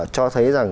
cho thấy rằng